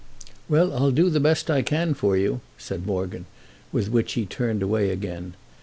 "Well, I'll do the best I can for you," said Morgan; with which he turned away again.